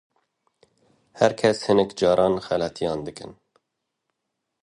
her kes hinek caran xeletiyan dikin.